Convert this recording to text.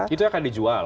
itu akan dijual